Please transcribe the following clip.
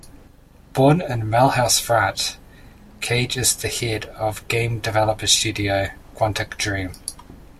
Born in Mulhouse, France, Cage is the head of game developer studio "Quantic Dream".